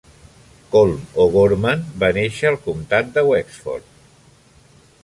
Colm O'Gorman va néixer al comtat de Wexford.